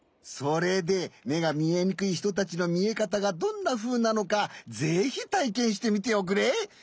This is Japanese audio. それでめがみえにくいひとたちのみえかたがどんなふうなのかぜひたいけんしてみておくれ！